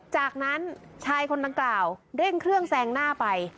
จากนั้นชายคนดังกล่าวเร่งเครื่องแซงหน้าไป